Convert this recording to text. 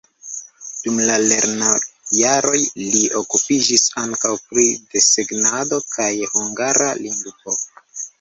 Dum la lernojaroj li okupiĝis ankaŭ pri desegnado kaj hungara lingvo.